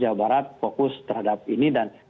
jawa barat fokus terhadap ini dan